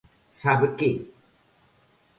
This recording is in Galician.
¿Sabe que?